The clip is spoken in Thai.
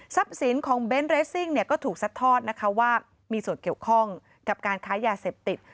สินของเบนท์เรสซิ่งก็ถูกซัดทอดนะคะว่ามีส่วนเกี่ยวข้องกับการค้ายาเสพติด